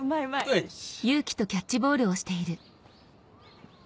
よし！